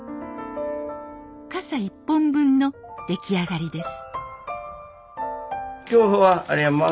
傘１本分の出来上がりです